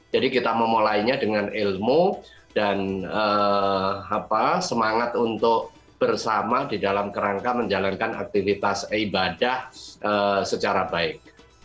jadi kita memulainya dengan ilmu dan semangat untuk bersama di dalam kerangka menjalankan aktivitas ibadah secara baik